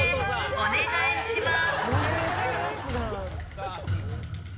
お願いします！